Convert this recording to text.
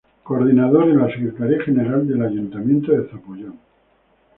Coordinador en la Secretaría General del Ayuntamiento de Zapopan.